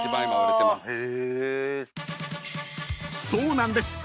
［そうなんです！